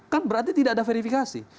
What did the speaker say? kan berarti tidak ada verifikasi